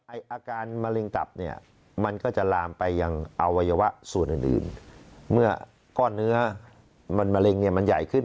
อาการมะเร็งตับเนี่ยมันก็จะลามไปยังอวัยวะส่วนอื่นอื่นเมื่อก้อนเนื้อมันมะเร็งเนี่ยมันใหญ่ขึ้น